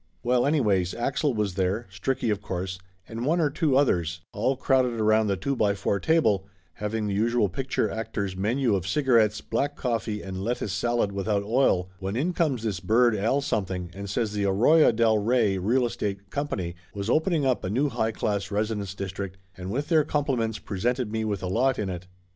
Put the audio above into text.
Well anyways, Axel was there, Stricky, of course, and one or two others, all crowded around the two by four table, having the usual picture actor's menu of cigarettes, black coffee and lettuce salad without oil, when in comes this bird Al Something and says the Arroyo del Rey Real Estate Company was opening up a new high class residence district and with their com pliments presented me with a lot in it.